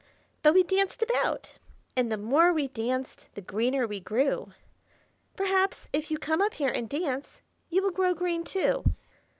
But we danced about, and the more we danced the greener we grew. Perhaps if you come up here and dance, you will grow green, too."